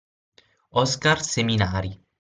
Oscar Seminari.